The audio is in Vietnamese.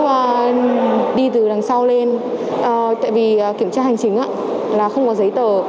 và đi từ đằng sau lên tại vì kiểm tra hành chính là không có giấy tờ